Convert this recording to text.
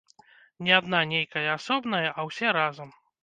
Не адна нейкая асобная, а ўсе разам.